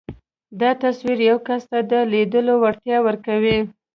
دا تصور يو کس ته د ليدلو وړتيا ورکوي.